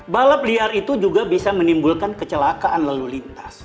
balap liar itu juga bisa menimbulkan kecelakaan lalu lintas